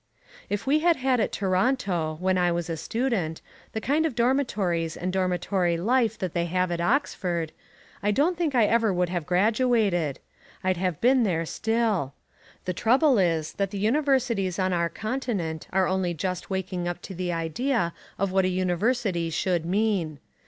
If we had had at Toronto, when I was a student, the kind of dormitories and dormitory life that they have at Oxford, I don't think I would ever have graduated. I'd have been there still. The trouble is that the universities on our Continent are only just waking up to the idea of what a university should mean.